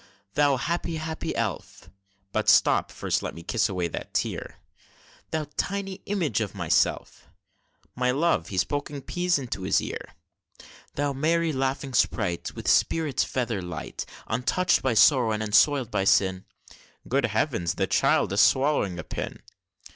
Thou happy, happy elf! (But stop, first let me kiss away that tear) Thou tiny image of myself! (My love, he's poking peas into his ear!) Thou merry, laughing sprite! With spirits feather light, Untouch'd by sorrow, and unsoil'd by sin (Good heav'ns! the child is swallowing a pin!)